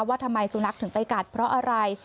ว่าทำไมสุนัขถึงไปกัดเพราะอะไร